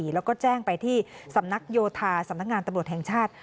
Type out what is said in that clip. แล้วก็แจ้งไปที่สำนักโยธาสำนักงานตำรวจแห่งชาติ